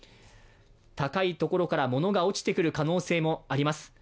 高い所から物が落ちてくる可能性もあります。